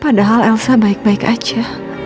padahal elsa baik baik aja